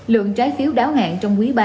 lượng trái phiếu đáo hạn trong quý ba